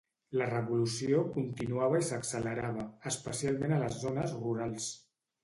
La revolució continuava i s'accelerava, especialment a les zones rurals.